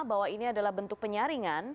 bahwa ini adalah pemerintah yang bisa dilakukan